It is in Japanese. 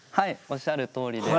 おっしゃるとおりで。